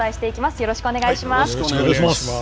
よろしくお願いします。